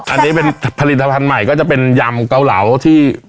อันนี้เป็นผลิตภัณฑ์ใหม่ก็จะเป็นยำเกาเหลาที่